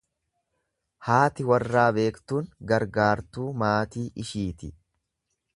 Haati warraa beektuun gargaartuu maatii ishiiti.